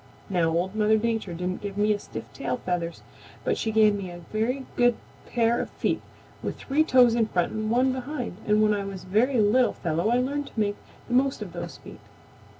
"Now Old Mother Nature didn't give me stiff tail feathers, but she gave me a very good pair of feet with three toes in front and one behind and when I was a very little fellow I learned to make the most of those feet.